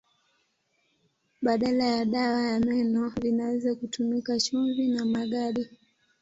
Badala ya dawa ya meno vinaweza kutumika chumvi na magadi.